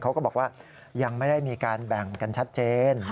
เขาก็บอกว่ายังไม่ได้มีการแบ่งกันชัดเจน